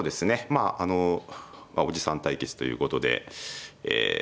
まああのおじさん対決ということでええ